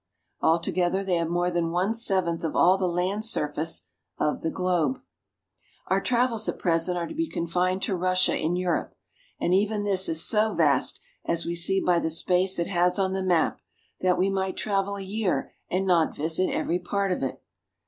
Altogether they have more than one seventh of all the land surface of the globe. Our travels at present are to be confined to Russia in GENERAL VIEW OF RUSSIA. 315 Europe, and even this is so vast, as we see by the space it has on the map, that we might travel a year and not visit every part of it.